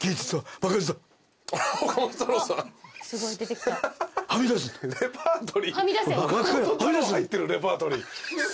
岡本太郎入ってるレパートリー。